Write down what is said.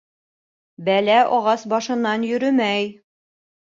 Бәлә ағас башынан йөрөмәй